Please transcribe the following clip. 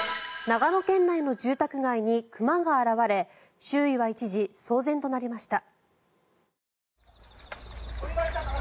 長野県内の住宅街に熊が現れ周囲は一時、騒然となりました。